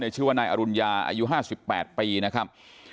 ชื่อว่านายอรุณาอายุ๕๘ปีนะครับ